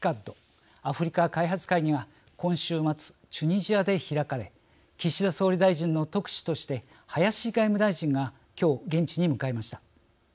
アフリカ開発会議が今週末、チュニジアで開かれ岸田総理大臣の特使として林外務大臣が今日、現地に向かいました。